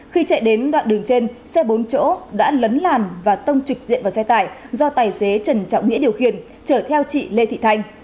khi chạy đến đoạn đường trên xe bốn chỗ đã lấn làn và tông trực diện vào xe tải do tài xế trần trọng nghĩa điều khiển chở theo chị lê thị thanh